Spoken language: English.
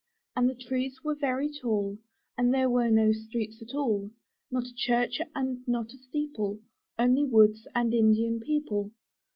And the trees were very tall, And there were no streets at all, Not a church and not a steeple — Only woods and Indian people.